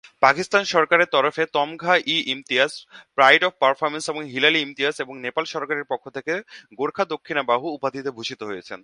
পাকিস্তান সরকারের তরফে Tamgha-i-Imtiaz, pride of performance এবং হিলাল-ই-ইমতিয়াজ এবং নেপাল সরকারের পক্ষ থেকে গোর্খা দক্ষিণা বাহু উপাধিতে ভূষিত হয়েছেন।